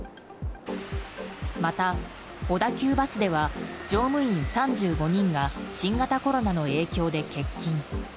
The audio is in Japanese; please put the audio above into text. また、小田急バスでは乗務員３５人が新型コロナの影響で欠勤。